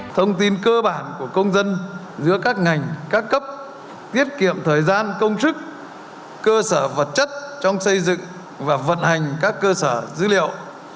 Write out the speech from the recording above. thông tin cơ bản của công dân giữa các ngành các cấp tiết kiệm thời gian công sức cơ sở vật chất trong xây dựng và vận hành các cơ sở dữ liệu